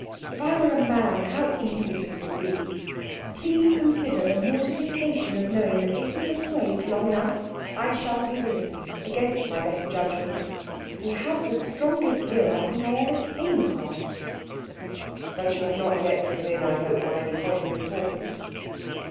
If I were a man, how easy things would be. Please consider the mortification of knowing that if he persuades long enough I shall give in, against my better judgment. He has the strongest will I think I ever came across." "But you have not yet given in, I hope, on any point of importance?"